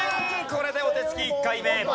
これでお手つき１回目。